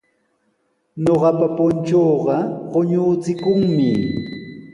Ñuqapa punchuuqa quñuuchikunmi.